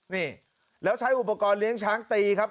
นี่แล้วใช้อุปกรณ์เลี้ยงช้างตีครับ